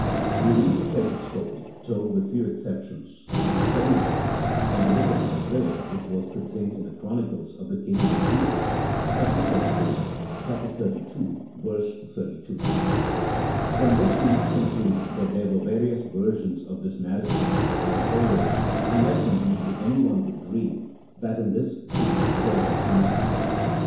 We read the same story, told with few exceptions ' in the same words, in the book of Isaiah which was contained in the chronicles of the kings of Judah (2 Chron. xxxii. 32). From this we must conclude that there were various versions of this narrative of Isaiah's, unless, indeed, anyone would dream that in this, too, there lurks a mystery.